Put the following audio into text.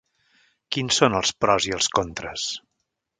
Quins són els pros i els contres?